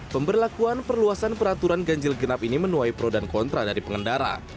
pemberlakuan perluasan peraturan ganjil genap ini menuai pro dan kontra dari pengendara